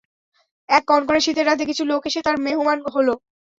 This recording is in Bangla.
এক কনকনে শীতের রাতে কিছু লোক এসে তার মেহমান হল।